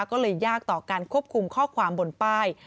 ก็เลยยากต่อการควบคุมข้อความบนป้าย